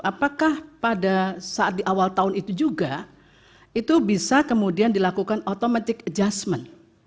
apakah pada saat di awal tahun itu juga itu bisa kemudian dilakukan automatic adjustment